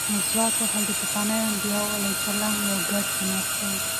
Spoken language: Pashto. مسواک وهل د پخوانیو انبیاوو علیهم السلام یو ګډ سنت دی.